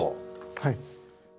はい。